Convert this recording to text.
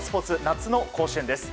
夏の甲子園です。